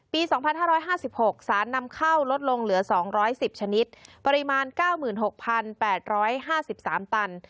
ปี๒๕๕๖สารนำเข้าลดลงเหลือ๒๑๐ชนิดปริมาณ๙๖๘๕๓ตัน